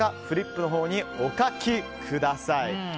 フリップのほうにお書きください。